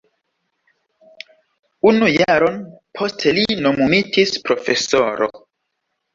Unu jaron poste li nomumitis profesoro.